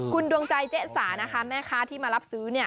คุณดวงใจเจ๊สานะคะแม่ค้าที่มารับซื้อ